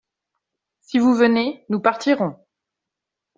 Si vous venez, nous partirons.